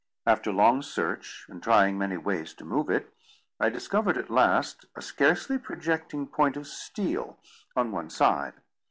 After long search, and trying many ways to move it, I discovered at last a scarcely projecting point of steel on one side.